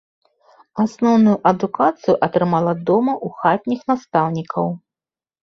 Асноўную адукацыю атрымала дома ў хатніх настаўнікаў.